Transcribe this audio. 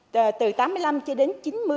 từ tám mươi năm cho đến chín mươi